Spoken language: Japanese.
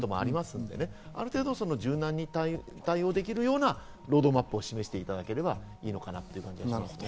ある程度、柔軟に対応できるようなロードマップを示していただければいいかなと思います。